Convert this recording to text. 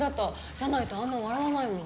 じゃないとあんな笑わないもん。